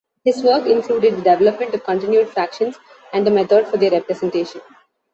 His work included the development of continued fractions and a method for their representation.